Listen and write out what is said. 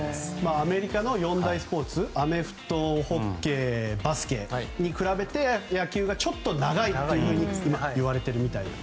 アメリカの四大スポーツアメフト、ホッケーバスケに比べて野球がちょっと長いと言われてるみたいですね。